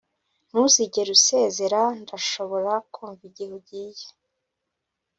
ntuzigere usezera, ndashobora kumva igihe ugiye